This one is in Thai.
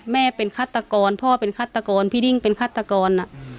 แม่เป็นฆาตกรพ่อเป็นฆาตกรพี่ดิ้งเป็นฆาตกร